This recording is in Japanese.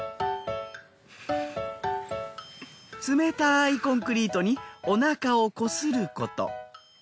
冷たいコンクリートにおなかをこすること。